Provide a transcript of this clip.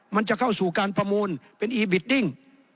มันจะเข้าสู่การประมูลเป็นอีบิดดิ้ง